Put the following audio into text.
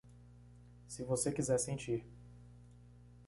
Se você quiser sentir